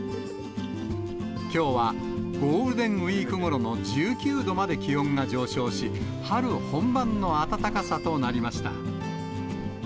きょうはゴールデンウィークごろの１９度まで気温が上昇し、春本番の暖かさとなりました。